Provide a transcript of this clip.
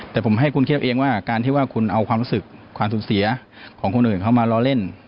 แต่ผมให้คุณเทียบเองว่าการที่ว่าคุณเอาความรู้สึกความสูญเสียของคนอื่นเข้ามาล้อเล่น